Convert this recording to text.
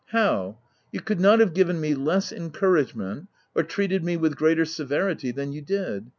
" How ? You could not have given me less encouragement, or treated me with greater severity than you did